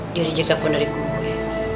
dia udah jaga pon dari gue